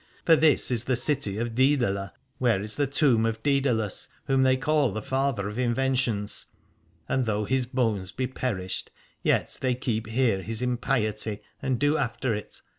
For this is the city of Dcedala, where is the tomb of Daedalus, whom they call the father of inventions : and though his bones be perished, yet they keep here his impiety, and do after it.